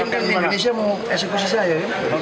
ini kan indonesia mau eksekusi saja